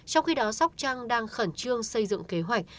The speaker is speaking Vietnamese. trong khi đó sóc trăng đang khẩn trương xây dựng kế hoạch